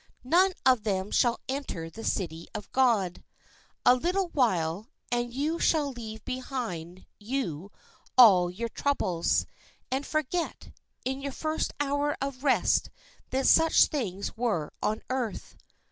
None of them shall enter the city of God. A little while, and you shall leave behind you all your troubles, and forget, in your first hour of rest, that such things were on earth.